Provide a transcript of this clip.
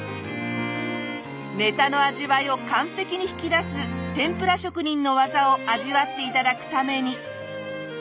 ネタの味わいを完璧に引き出す天ぷら職人の技を味わって頂くために。